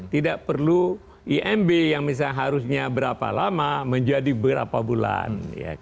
tidak perlu imb yang misalnya harusnya berapa lama menjadi berapa bulan